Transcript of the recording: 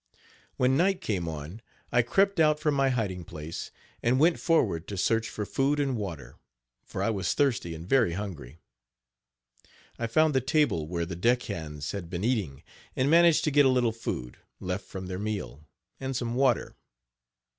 When night came on, I crept out from my hiding place, and went forward to search for food and water, for I was thirsty and very hungry. I found the table where the deck hands had been eating, and managed to get a little food, left from their meal, and some water.